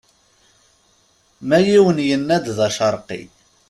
Ma yiwen yenna-d d acerqi.